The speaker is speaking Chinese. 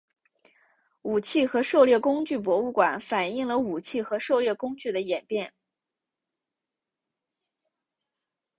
武器和狩猎工具博物馆反映了武器和狩猎工具的演变。